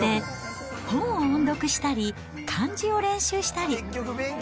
おうちに帰って、本を音読したり漢字を練習したり。